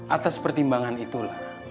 atas pertimbangan itulah